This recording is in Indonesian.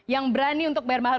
yang berani untuk bayar mahal